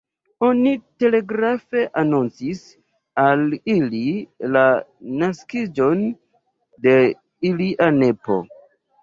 Oni telegrafe anoncis al ili la naskiĝon de ilia nepo.